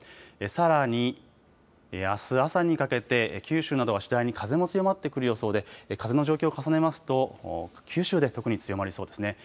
さらに、あす朝にかけて九州などは次第に風も強まってくる予想で風の状況を重ねますと九州で特に強まりそうですね。